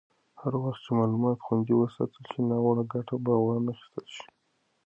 هر وخت چې معلومات خوندي وساتل شي، ناوړه ګټه به وانخیستل شي.